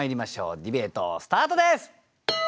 ディベートスタートです。